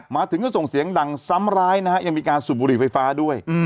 มาถึงก็ส่งเสียงดังซ้ำร้ายนะฮะยังมีการสูบบุหรี่ไฟฟ้าด้วย